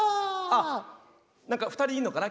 あっ何か２人いんのかな？